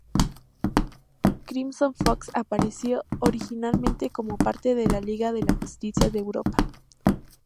Crimson Fox apareció originalmente como parte de la Liga de la Justicia de Europa.